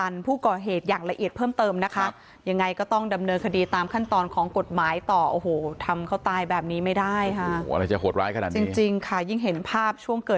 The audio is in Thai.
อยู่หลายคนแล้วค่ะเมียเขา